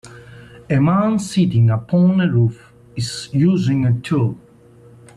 A man sitting upon a roof is using a tool.